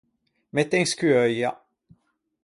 Mette in scueuia.